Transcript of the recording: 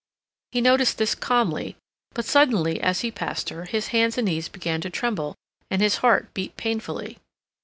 He noticed this calmly; but suddenly, as he passed her, his hands and knees began to tremble, and his heart beat painfully.